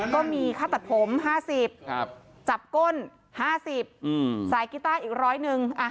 ก็มีค่าตัดผมห้าสิบจับก้นห้าสิบสายกีต้าอีกร้อยหนึ่ง